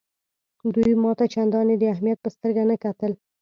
دوی ما ته چنداني د اهمیت په سترګه نه کتل.